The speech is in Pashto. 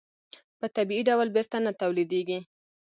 په طبیعي ډول بېرته نه تولیدېږي.